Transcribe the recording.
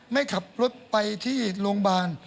ไม่ขับรถไปที่โรงพยาบาล